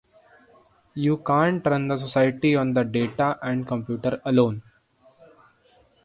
You can't run the society on data and computers alone.